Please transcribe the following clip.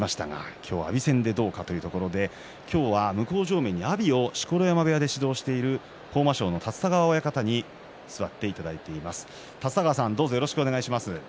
今日は阿炎戦、どうかというところで、今日は向正面に阿炎を錣山部屋で指導している豊真将の立田川親方に座っていただいています。